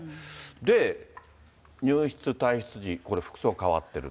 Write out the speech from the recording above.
で、入室、退室時、これ、服装が変わってると。